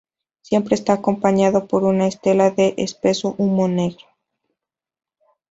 Siempre está acompañado por una estela de espeso humo negro.